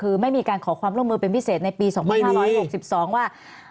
คือไม่มีการขอความร่วมมือเป็นพิเศษในปี๒๕๖๒ว่า